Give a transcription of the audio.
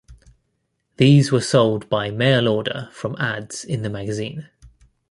These were sold by mail-order from ads in the magazine.